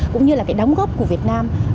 cũng như là cái đóng góp của việt nam